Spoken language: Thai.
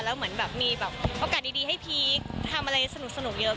แล้วเหมือนแบบมีแบบโอกาสดีให้พีคทำอะไรสนุกเยอะ